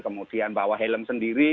kemudian bawa helm sendiri